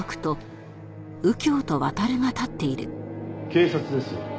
警察です。